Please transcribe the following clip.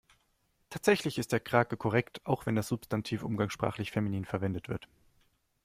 Tatsächlich ist der Krake korrekt, auch wenn das Substantiv umgangssprachlich feminin verwendet wird.